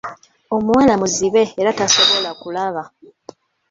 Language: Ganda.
Omuwala muzibe era tasobola kulaba.